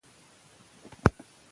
د عضلو ډول په تمرین سره نه بدلېږي.